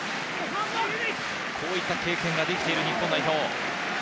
こういった経験ができている日本代表。